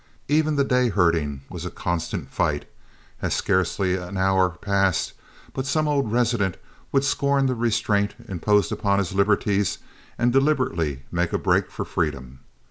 Even the day herding was a constant fight, as scarcely an hour passed but some old resident would scorn the restraint imposed upon his liberties and deliberately make a break for freedom.